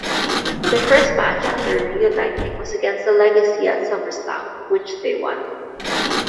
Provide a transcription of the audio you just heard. Their first match after reuniting was against The Legacy at SummerSlam, which they won.